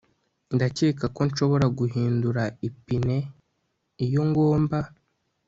Ndakeka ko nshobora guhindura ipine iyo ngomba